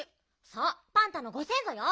そうパンタのご先ぞよ。